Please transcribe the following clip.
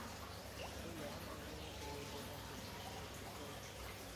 بۇ لەھەڭ ئەينى ئوقۇرغا يۈگۈرگەن چوشقىدەكلا ئېتىلىپ كەلدى.